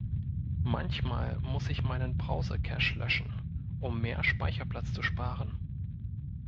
Manchmal muss ich meinen Browsercache löschen, um mehr Speicherplatz zu sparen.